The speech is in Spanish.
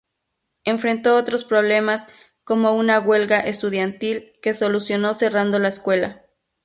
Enfrentó otros problemas, como una huelga estudiantil que solucionó cerrando la escuela.